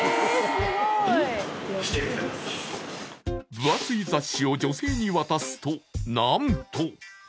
分厚い雑誌を女性に渡すと何と！